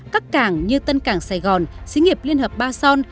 các cảng như tân cảng sài gòn xí nghiệp liên hợp ba son